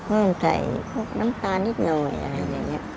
เพิ่มใส่พวกน้ำตาลนิดหน่อยอะไรแบบนี้